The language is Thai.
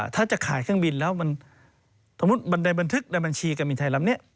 ถ้าจะขายเครื่องบินแล้วถมมุติในบัญชีการบินไทยแล้ว